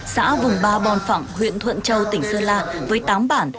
xã vùng ba bon phẳng huyện thuận châu tỉnh sơn la với tám bản